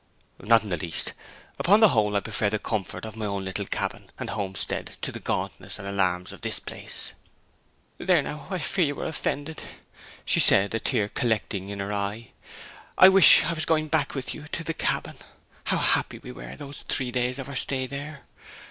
'Not in the least. Upon the whole, I prefer the comfort of my little cabin and homestead to the gauntness and alarms of this place.' 'There, now, I fear you are offended!' she said, a tear collecting in her eye. 'I wish I was going back with you to the cabin! How happy we were, those three days of our stay there!